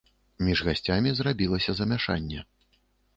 Між гасцямі зрабілася замяшанне.